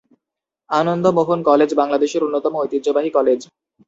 আনন্দ Mohan college বাংলাদেশের অন্যতম ঐতিহ্যবাহী কলেজ।